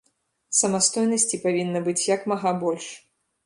Самастойнасці павінна быць як мага больш.